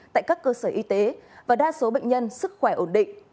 tại các cơ sở y tế và đa số bệnh nhân sức khỏe ổn định